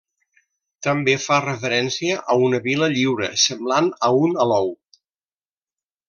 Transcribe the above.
També fa referència a una vila lliure, semblant a un alou.